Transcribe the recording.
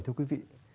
thưa quý vị